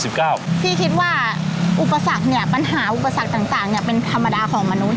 พี่คิดว่าปัญหาอุปสรรคต่างเป็นธรรมดาของมนุษย์